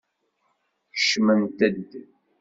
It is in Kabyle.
Kecmemt-d.